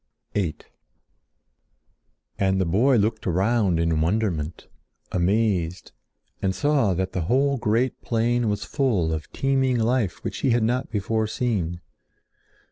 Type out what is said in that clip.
VIII And the boy looked around in wonderment, amazed, and saw that the whole great plain was full of teeming life which he had not before seen.